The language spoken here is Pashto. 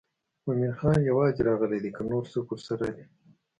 مومن خان یوازې راغلی دی که نور څوک ورسره دي.